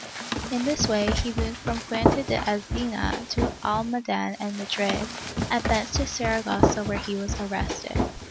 In this way he moved from Fuente de Enzina to Almaden and Madrid, and thence to Sara gossa where he was arrested.